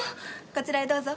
こちらへどうぞ。